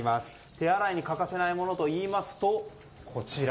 手洗いに欠かせないものといいますとこちら。